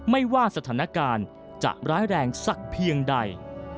ไม่ว่าสถานการณ์จะร้ายแรงสักเพียงใด